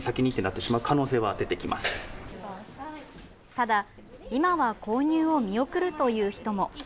ただ今は購入を見送るという人も。